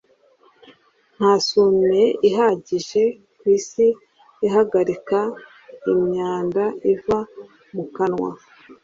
Nta sume ihagije ku isi ihagarika imyanda iva mu kanwa.